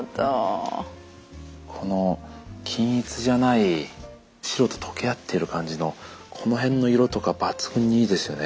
この均一じゃない白と溶け合ってる感じのこの辺の色とか抜群にいいですよね。